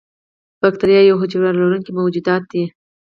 بکتیریا یوه حجره لرونکي موجودات دي.